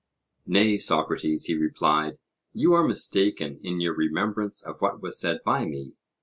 Nay, Socrates, he replied, you are mistaken in your remembrance of what was said by me.